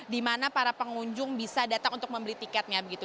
di mana para pengunjung bisa datang untuk membeli tiketnya begitu